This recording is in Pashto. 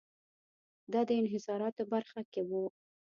دا د انحصاراتو په برخه کې و.